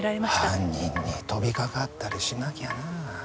犯人に飛びかかったりしなきゃな。